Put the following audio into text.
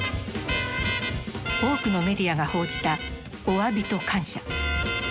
多くのメディアが報じた「おわびと感謝」。